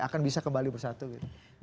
akan bisa kembali bersatu gitu